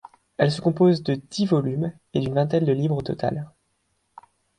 Elle se compose de dix volumes et d'une vingtaine de livres au total.